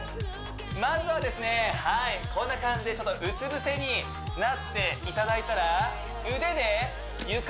まずはですねこんな感じでうつ伏せになっていただいたらああ